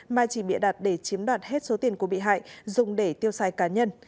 mà chỉ bịa đặt để chiếm đoạt hết số tiền của bị hại dùng để tiêu xài cá nhân